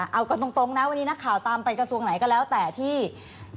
เอาก่อนตรงนะวันนี้เจ้าเป็นนักข่าวในกระทรวงไหนก็แล้วแต่ดีอะไร